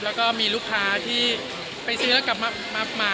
แล้วก็มีลูกค้าที่ไปซื้อแล้วกลับมา